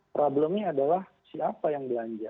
problemnya adalah siapa yang belanja